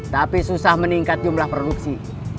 tapi susah meningkat jumlah produksi